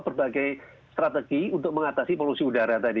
berbagai strategi untuk mengatasi polusi udara tadi